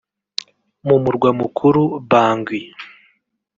mu murwa mukuru Bangui